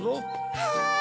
はい！